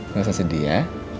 nggak usah sedih ya